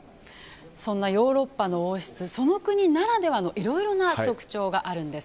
そんなヨーロッパの王室その国ならではのいろいろな特徴があるんです。